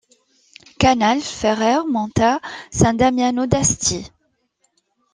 Canale, Ferrere, Montà, San Damiano d'Asti.